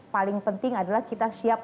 paling penting adalah kita siap